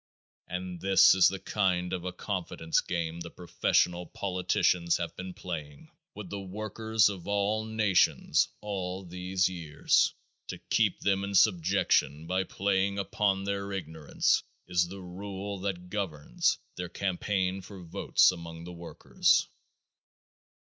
And this is the kind of a confidence game the professional politicians have been playing with the workers of all nations all these years. To keep them in subjection by playing upon their ignorance is the rule that governs their campaigns for votes among the workers.